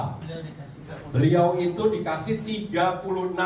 beliau itu dikasih tiga puluh enam bulan